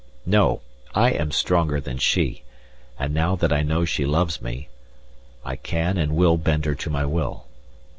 No! I am stronger than she, and, now that I know she loves me, I can and will bend her to my will.